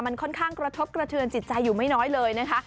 มันค่อนข้างกระทบกระเทือนจิตใจอยู่ไม่น้อยเลยนะคะ